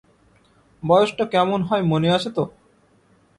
বয়সটা কেমন হয় মনে আছে তো?